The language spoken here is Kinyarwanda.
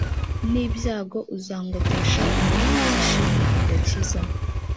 n ibyago uzangotesha impundu zishima agakiza